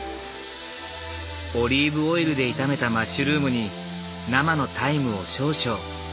オリーブオイルで炒めたマッシュルームに生のタイムを少々。